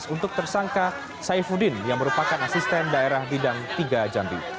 untuk tersangka saifuddin yang merupakan asisten daerah bidang tiga jambi